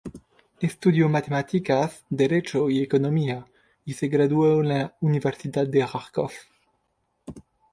Estudió Matemáticas, Derecho y Economía y se graduó en la Universidad de Járkov.